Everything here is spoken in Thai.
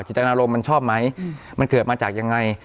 ตนารมณ์มันชอบไหมมันเกิดมาจากยังไง